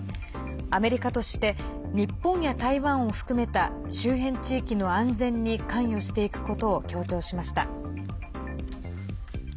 アメリカとして日本や台湾を含めた周辺地域の安全に関与していくことを強調しました。